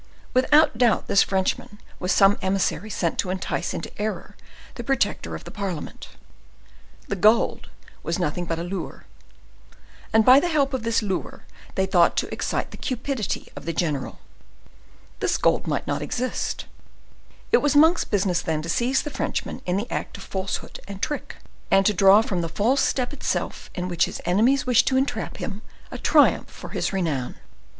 Without doubt this Frenchman was some emissary sent to entice into error the protector of the parliament; the gold was nothing but a lure; and by the help of this lure they thought to excite the cupidity of the general. This gold might not exist. It was Monk's business, then, to seize the Frenchman in the act of falsehood and trick, and to draw from the false step itself in which his enemies wished to entrap him, a triumph for his renown.